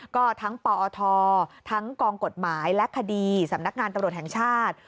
ก็ทั้งปอททั้งกองกฎหมายและคดีสำนักงานตำรวจแห่งชาติ